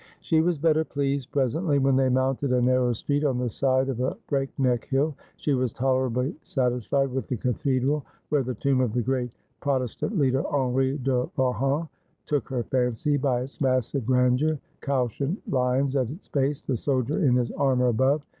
She was better pleased presently when they mounted a narrow street on the side of a break neck hill. She was tolerably satisfied with the cathedral, where the tomb of the great Pro testant leader Henri de Rohan took her fancy by its massive grandeur, couchant lions at its base, the soldier in his armour above.